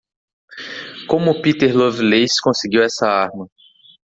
Como Peter Lovelace conseguiu essa arma?